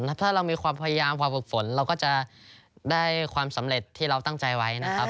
ถ้าเรามีความพยายามพอฝึกฝนเราก็จะได้ความสำเร็จที่เราตั้งใจไว้นะครับ